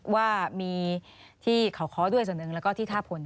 ว่ามีที่เขาค้อด้วยส่วนหนึ่งแล้วก็ที่ท่าพล